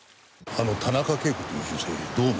あの田中啓子という女性どう思った？